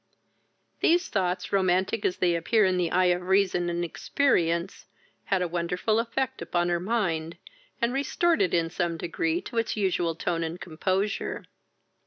These thoughts, romantic as they appear in the eye of reason and experience, had a wonderful effect upon her mind, and restored it in some degree to its usual tone and composure.